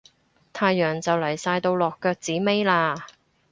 太陽就嚟晒到落腳子尾喇